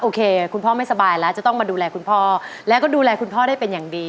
โอเคคุณพ่อไม่สบายแล้วจะต้องมาดูแลคุณพ่อแล้วก็ดูแลคุณพ่อได้เป็นอย่างดี